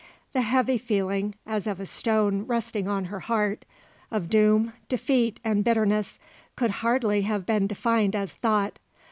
The heavy feeling, as of a stone resting on her heart, of doom, defeat and bitterness, could hardly have been defined as thought.